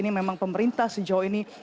ini memang pemerintah sejauh ini